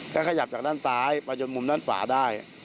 ก็ขยับจากด้านซ้ายไปจนมุมด้านขวาได้